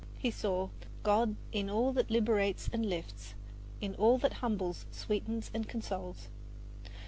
He saw God in all that liberates and lifts, In all that humbles, sweetens and consoles.